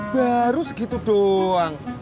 baru segitu doang